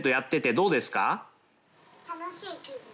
楽しい。